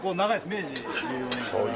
明治１４年から。